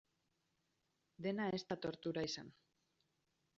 Dena ez da tortura izan.